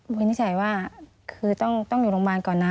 วินิจฉัยว่าคือต้องอยู่โรงพยาบาลก่อนนะ